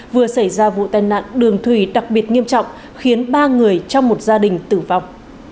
vừa xảy ra vụ tai nạn đường thủy đặc biệt nghiêm trọng khiến ba người trong một gia đình tử vong